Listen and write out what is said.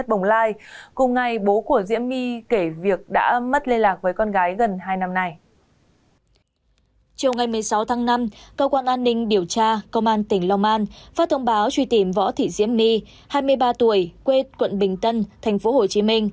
chiều ngày một mươi sáu tháng năm cơ quan an ninh điều tra công an tỉnh long an phát thông báo truy tìm võ thị diễm my hai mươi ba tuổi quê quận bình tân tp hcm